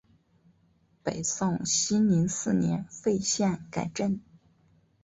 北宋熙宁四年废县改镇。